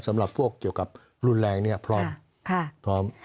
สำหรับพวกเกี่ยวกับรุนแรงพร้อม